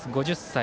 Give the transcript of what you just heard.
５０歳。